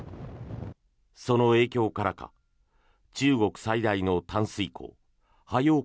その影響からか中国最大の淡水湖ハヨウ